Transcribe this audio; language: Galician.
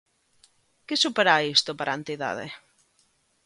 Que suporá isto para a entidade?